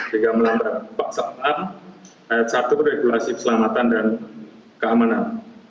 hingga melambat pak sa'lam ayat satu regulasi keselamatan dan keamanan